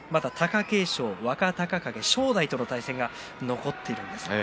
まだ貴景勝、若隆景、正代との対戦が残っていますね。